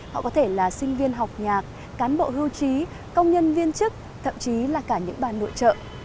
họ có thể là sinh viên học nhạc cán bộ hưu trí công nhân viên chức thậm chí là cả những bà nội trợ